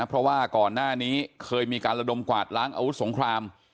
เพราะว่าก่อนหน้านี้เคยมีการระดมกวาดล้างอาวุธสงคราม